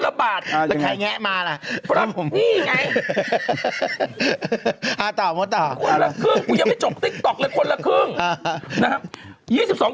แล้วใครแงะมาล่ะนี่ไงคนละครึ่งกูยังไม่จบติ๊กต๊อกเลยคนละครึ่งนะครับ